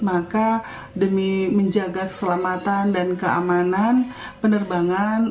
maka demi menjaga keselamatan dan keamanan penerbangan